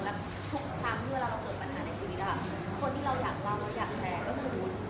แต่ว่าทุกครั้งที่ว่าเราเกิดปัญหาในชีวิตอ่ะคนที่เราอยากเล่าอยากแชร์ก็คือบุญ